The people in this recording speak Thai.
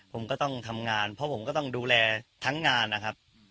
ผมก็ต้องทำงานเพราะผมก็ต้องดูแลทั้งงานนะครับ